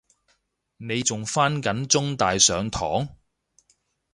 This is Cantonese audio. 你仲返緊中大上堂？